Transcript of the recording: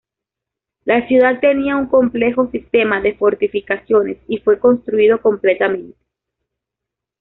La ciudad tenía un complejo sistema de fortificaciones y fue construido completamente.